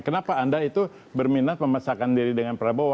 kenapa anda itu berminat memasakkan diri dengan prabowo